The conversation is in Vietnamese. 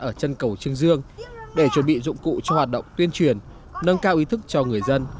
ở chân cầu trưng dương để chuẩn bị dụng cụ cho hoạt động tuyên truyền nâng cao ý thức cho người dân